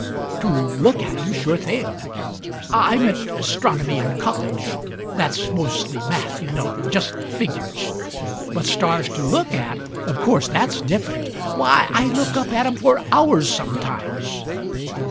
To look at 'em, sure thing! I meant astronomy in college; that's mostly math, you know — just figures. But stars to look at — of course that's different. Why, I look up at 'em for hours sometimes!"